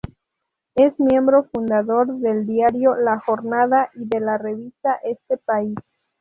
Es miembro fundador del diario "La Jornada" y de la revista "Este País".